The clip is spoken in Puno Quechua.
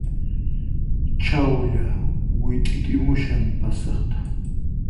Challwa wit'itimushan pasaqta